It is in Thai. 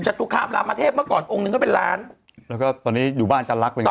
จตุคามรามเทพเมื่อก่อนองค์หนึ่งก็เป็นล้านแล้วก็ตอนนี้อยู่บ้านอาจารย์ลักษณ์